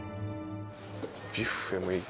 ビュッフェもいい。